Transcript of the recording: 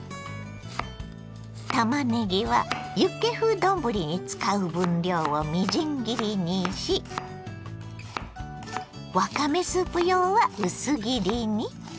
たまねぎはユッケ風丼に使う分量をみじん切りにしわかめスープ用は薄切りに。